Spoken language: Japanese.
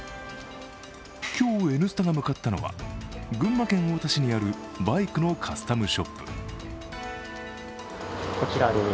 今日、「Ｎスタ」が向かったのは群馬県太田市にあるバイクのカスタムショップ。